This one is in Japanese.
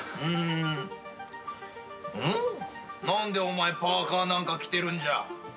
何でお前パーカなんか着てるんじゃ？